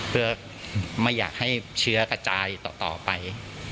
เพื่อไม่อยากให้เชื้อกระจายต่อไป